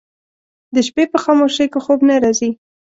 د شپې په خاموشۍ کې خوب نه راځي